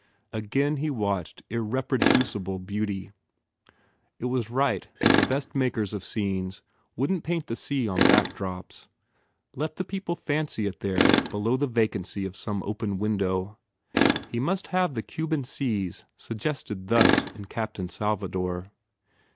Again he watched irre producible beauty. ... It was right that the best makers of scenes wouldn t paint the sea on back drops. Let the people fancy it there below the vacancy of some open window. He must have the Cuban seas suggested thus in Captain Salva dor.